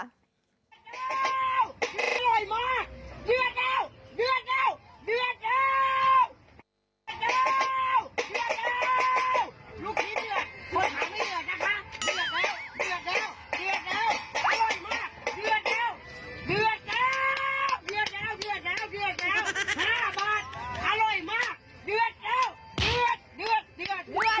อร่อยมากเดือดแล้วเดือด